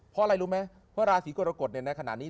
เพราะอะไรรู้ไหมว่าราศีกรกฎในขณะนี้